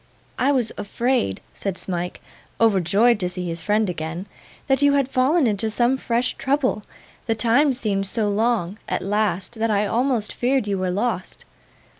'I was afraid,' said Smike, overjoyed to see his friend again, 'that you had fallen into some fresh trouble; the time seemed so long, at last, that I almost feared you were lost.